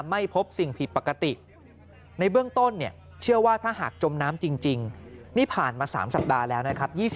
ไม่พบสิ่งผิดปกติในเบื้องต้นเนี่ยเชื่อว่าถ้าหากจมน้ำจริงนี่ผ่านมา๓สัปดาห์แล้วนะครับ